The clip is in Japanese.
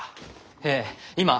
ええ今！